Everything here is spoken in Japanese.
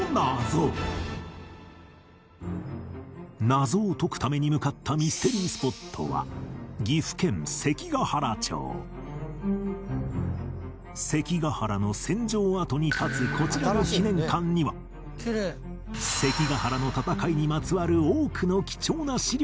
謎を解くために向かったミステリースポットは関ヶ原の戦場跡に立つこちらの記念館には関ヶ原の戦いにまつわる多くの貴重な資料を所蔵